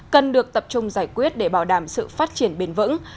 cần được tập trung giải quyết để bảo đảm sự phát triển bền vững